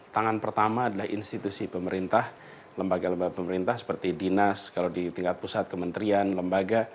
tangan pertama adalah institusi pemerintah lembaga lembaga pemerintah seperti dinas kalau di tingkat pusat kementerian lembaga